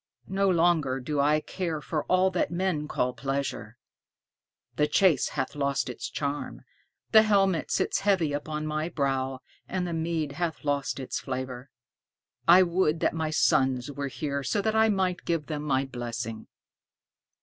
No longer do I care for all that men call pleasure. The chase hath lost its charm, the helmet sits heavy upon my brow, and the mead hath lost its flavor. I would that my sons were here so that I might give them my blessing."